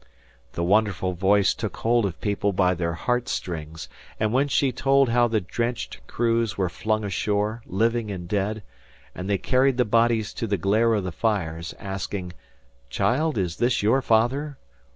The wonderful voice took hold of people by their heartstrings; and when she told how the drenched crews were flung ashore, living and dead, and they carried the bodies to the glare of the fires, asking: "Child, is this your father?"